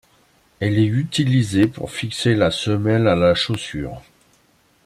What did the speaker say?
Elle est utilisée pour fixer la semelle à la chaussure.